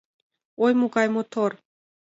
— Ой, могай мотор!